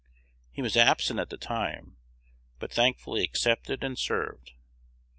He was absent at the time, but thankfully accepted and served.